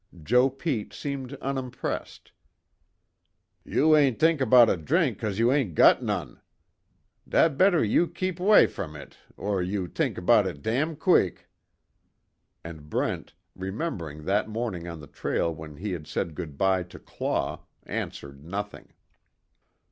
Joe Pete seemed unimpressed: "You ain't t'ink 'bout a drink cos you ain't got non. Dat better you keep 'way from it, or you t'ink 'bout it dam' queek." And Brent, remembering that morning on the trail when he had said good bye to Claw, answered nothing.